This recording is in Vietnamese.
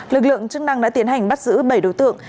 lực lượng chức năng đã tiến hành bắt giữ bảy đối tượng